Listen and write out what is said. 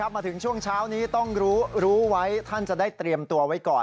มาถึงช่วงเช้านี้ต้องรู้ไว้ท่านจะได้เตรียมตัวไว้ก่อน